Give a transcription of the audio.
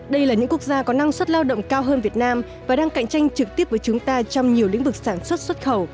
đây là những quốc gia có năng suất lao động cao hơn việt nam và đang cạnh tranh trực tiếp với chúng ta trong nhiều lĩnh vực sản xuất xuất khẩu